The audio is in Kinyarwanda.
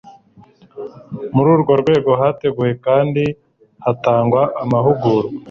muri urwo rwego hateguwe kandi hanatangwa amahugurwa